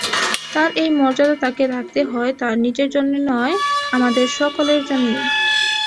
তাঁর এই মর্যাদা তাঁকে রাখতে হয় তাঁর নিজের জন্যে নয়, আমাদের সকলের জন্যে।